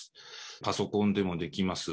パソコンでもできます。